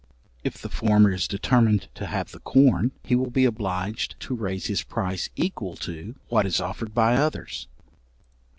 If the former is determined to have the corn, he will be obliged to raise his price equal to what is offered by others.